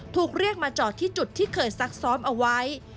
ถูกเรียกมาจอดที่จุดที่เคยซักซ้อมเอาไว้